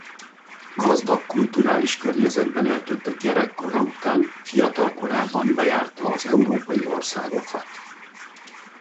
Gazdag kulturális környezetben eltöltött gyerekkora után fiatalkorában bejárta az európai országokat.